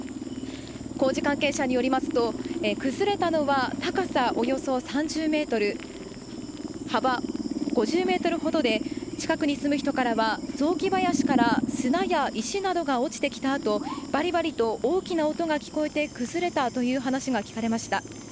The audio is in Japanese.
工事関係者によりますと崩れたのは高さおよそ３０ｍ幅５０ｍほどで近くに住む人からは雑木林から砂や石などが落ちてきた後バリバリと大きな音が聞こえて崩れたという話が聞かれました。